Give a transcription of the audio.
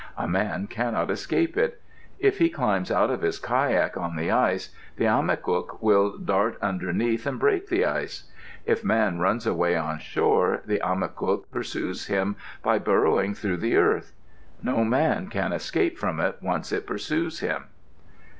A man cannot escape it. If he climbs out of his kayak on the ice, the a mi kuk will dart underneath and break the ice. If Man runs away on shore, the a mi kuk pursues him by burrowing through the earth. No man can escape from it when once it pursues him.